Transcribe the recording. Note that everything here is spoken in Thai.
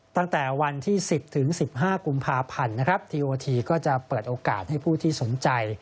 ตั้งแต่วันที่๑๐ถึง๑๕กุมภาพันธ์นะครับทีโอทีก็จะเปิดโอกาสให้ผู้ที่สนใจ